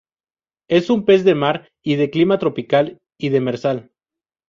Es un pez de mar y de Clima tropical y demersal.